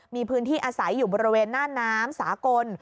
มีพื้นที่อาศัยอยู่บริเวณหน้าน้ำสากล